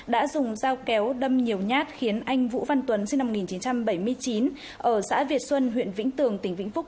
đã dùng dao kéo đâm nhiều nhát khiến anh vũ văn tuấn sinh năm một nghìn chín trăm bảy mươi chín ở xã việt xuân huyện vĩnh tường tỉnh vĩnh phúc